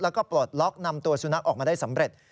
แล้วก็ปลดล็อกนำตัวสุนัขออกมาได้สำเร็จ